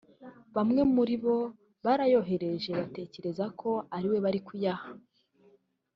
bamwe muri bo barayohereje batekereza ko ariwe bari kuyaha